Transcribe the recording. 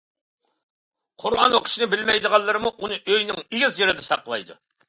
قۇرئان ئوقۇشنى بىلمەيدىغانلىرىمۇ ئۇنى ئۆيىنىڭ ئېگىز يېرىدە ساقلايدۇ.